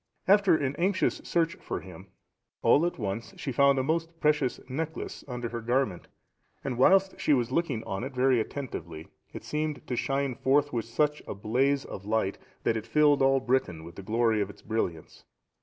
After an anxious search for him, all at once she found a most precious necklace under her garment, and whilst she was looking on it very attentively, it seemed to shine forth with such a blaze of light that it filled all Britain with the glory of its brilliance.